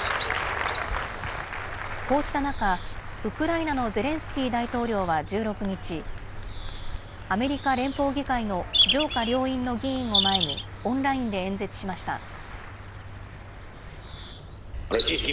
こうした中、ウクライナのゼレンスキー大統領は１６日、アメリカ連邦議会の上下両院の議員を前にオンラインで演説しました。